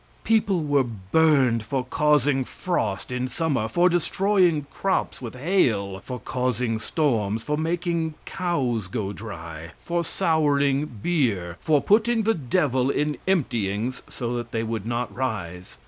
People were burned for causing frost in summer; for destroying crops with hail; for causing storms for making cows go dry; for souring beer; for putting the devil in emptyings so that they would not rise.